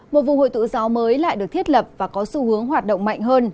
một vùng hội tụ gió mới lại được thiết lập và có xu hướng hoạt động mạnh hơn